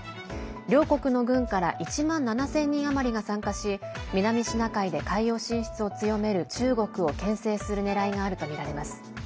両国の軍から１万７０００人余りが参加し南シナ海で海洋進出を強める中国をけん制するねらいがあるとみられます。